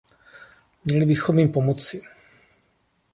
Měli bychom jim pomoci.